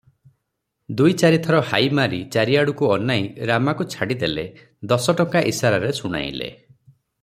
ଦୁଇ ଚାରିଥର ହାଇ ମାରି ଚାରିଆଡକୁ ଅନାଇ ରାମାକୁ ଛାଡିଦେଲେ ଦଶଟଙ୍କା ଇଶାରାରେ ଶୁଣାଇଲେ ।